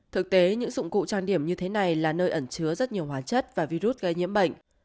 thực tế những dụng cụ trang điểm như thế này là nơi ẩn chứa rất nhiều hóa chất và virus gây nhiễm bệnh